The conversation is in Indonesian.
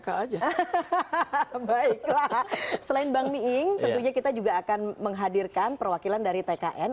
hahaha baiklah selain bang miing tentunya kita juga akan menghadirkan perwakilan dari tkn